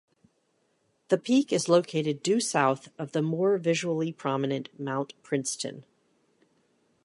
The peak is located due south of the more visually prominent Mount Princeton.